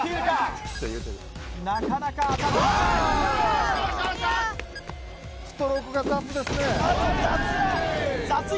なかなか当たらない。